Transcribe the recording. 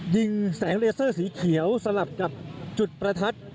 ยิงแสงเลเซอร์สีเขียวสลับกับจุดประทัด